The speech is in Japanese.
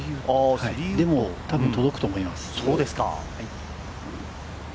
でも多分、届くと思います。